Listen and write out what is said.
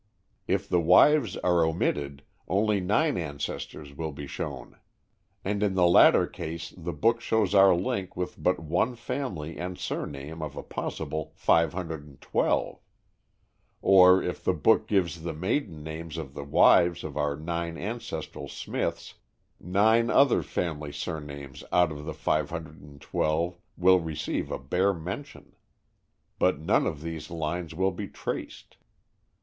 If the wives are omitted, only 9 ancestors will be shown. And in the latter case the book shows our link with but one family and surname out of a possible 512. Or, if the book gives the maiden names of the wives of our nine ancestral Smiths, nine other family surnames out of the 512 will receive a bare mention. But none of these lines will be traced.